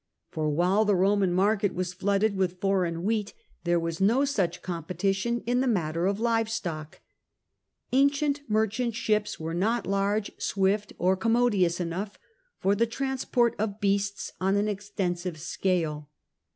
For while the Roman market was flooded with foreign wheat, there was no such competition in the matter of live stock. Ancient merchant ships were not large, swift, or commodious enough for the transport of beasts on an extensive scale.